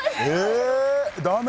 駄目？